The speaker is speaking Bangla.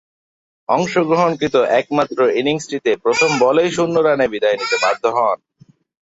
অংশগ্রহণকৃত একমাত্র ইনিংসটিতে প্রথম বলেই শূন্য রানে বিদায় নিতে বাধ্য হন।